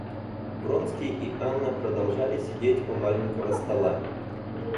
Вронский и Анна продолжали сидеть у маленького стола.